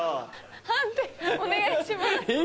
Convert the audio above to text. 判定お願いします。